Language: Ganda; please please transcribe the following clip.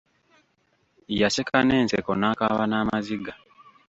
Yaseka n'enseko n'akaaba n'amaziga.